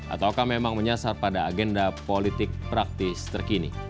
atau akan memang menyasar pada agenda politik praktis terkini